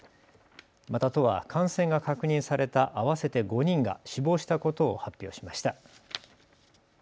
また都は感染が確認された合わせて５人が死亡したことを発表しました。